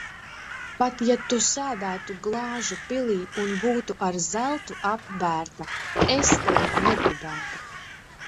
Pat ja Tu sēdētu glāžu pilī un būtu ar zeltu apbērta, es tevi negribētu.